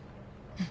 うん。